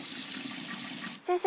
先生